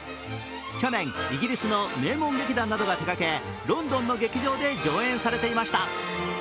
去年、イギリスの名門劇団などが手がけロンドンの劇場で上演されていました。